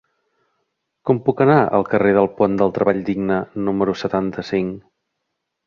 Com puc anar al carrer del Pont del Treball Digne número setanta-cinc?